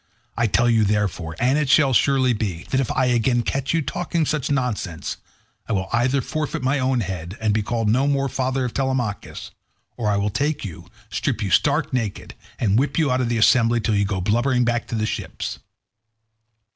I tell you, therefore—and it shall surely be—that if I again catch you talking such nonsense, I will either forfeit my own head and be no more called father of Telemachus, or I will take you, strip you stark naked, and whip you out of the assembly till you go blubbering back to the ships."